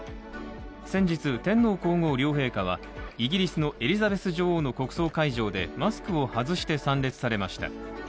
先日、天皇皇后両陛下は、イギリスのエリザベス女王の国葬会場でマスクを外して参列されました。